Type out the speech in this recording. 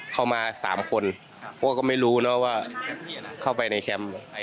เข้ามา๓คนเพราะว่าก็ไม่รู้นะว่าเข้าไปในแคมป์